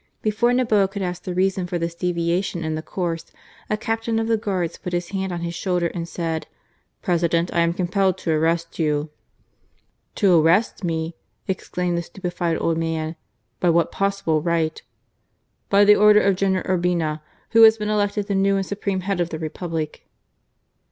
Before Noboa could ask the reason for this deviation in the course, a captain of the guards put his hand on his shoulder and said :" President, I am compelled to arrest you." "To arrest me,'' exclaimed the stupefied old man, " by what possible right ?" "By the order of General Urbina, who has been elected the new and supreme head of the Republic."